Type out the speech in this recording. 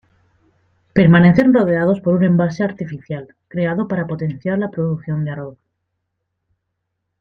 Permanecen rodeados por un embalse artificial, creado para potenciar la producción de arroz.